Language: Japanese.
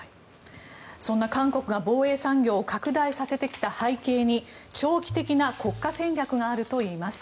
そんな韓国が防衛産業を拡大させてきた背景に長期的な国家戦略があるといいます。